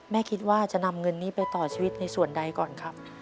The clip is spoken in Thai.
คิดว่าจะนำเงินนี้ไปต่อชีวิตในส่วนใดก่อนครับ